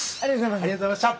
ありがとうございます。